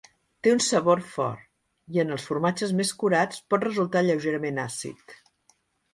Té un sabor fort i, en els formatges més curats, pot resultar lleugerament àcid.